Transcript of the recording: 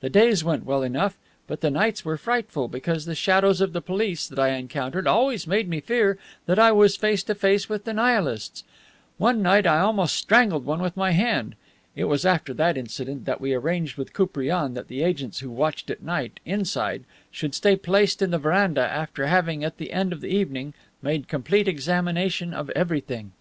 The days went well enough, but the nights were frightful, because the shadows of the police that I encountered always made me fear that I was face to face with the Nihilists. One night I almost strangled one with my hand. It was after that incident that we arranged with Koupriane that the agents who watched at night, inside, should stay placed in the veranda, after having, at the end of the evening, made complete examination of everything.